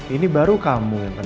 ini baru kamu yang akan